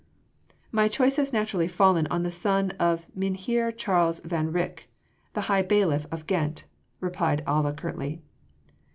"My choice has naturally fallen on the son of Mynheer Charles van Rycke, the High Bailiff of Ghent," replied Alva curtly.